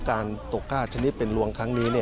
ตกกล้าชนิดเป็นลวงครั้งนี้